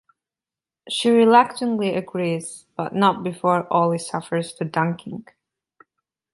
She reluctantly agrees, but not before Ollie suffers the dunking.